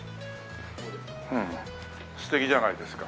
うんうん素敵じゃないですか。